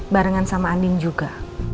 barengan sama andin juga